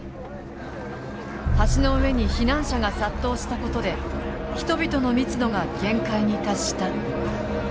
橋の上に避難者が殺到したことで人々の密度が限界に達した。